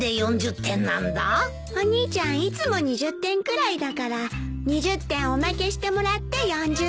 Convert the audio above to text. お兄ちゃんいつも２０点くらいだから２０点おまけしてもらって４０点。